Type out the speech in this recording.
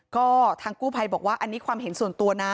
ก็ทางกู้ภัยบอกว่าอันนี้ความเห็นส่วนตัวนะ